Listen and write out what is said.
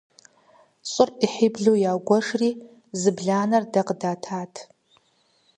ЩӀыр Ӏыхьиблу ягуэшри, зы бланэр дэ къыдатат.